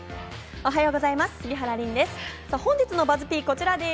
おはようこざいます。